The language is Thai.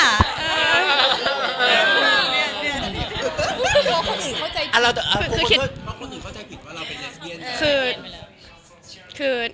คนอื่นเข้าใจผิดว่าเราเป็นเลสเบียน